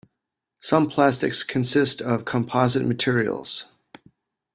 Some plastics consist of composite materials.